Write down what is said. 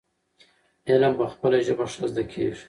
علم په خپله ژبه ښه زده کيږي.